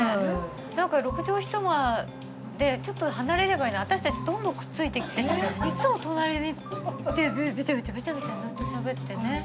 何か６畳一間でちょっと離れればいいのに私たちいっつも隣にいてべちゃべちゃべちゃべちゃずっとしゃべってね。